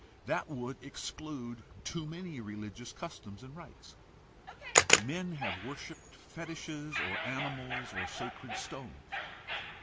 That would exclude too many religious customs and rites. Men have worshiped fetishes or animals or sacred stones.